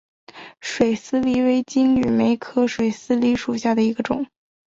水丝梨为金缕梅科水丝梨属下的一个种。